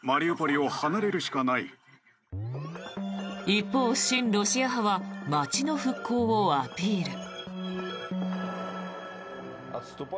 一方、親ロシア派は街の復興をアピール。